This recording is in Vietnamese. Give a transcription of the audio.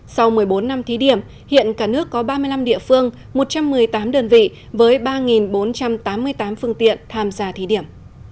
sau một mươi bốn năm thí điểm hiện cả nước có ba mươi năm địa phương một trăm một mươi tám đơn vị với ba bốn trăm tám mươi tám phương tiện tham gia thí điểm